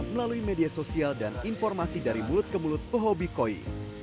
melalui media sosial dan informasi dari mulut ke mulut pehobi koi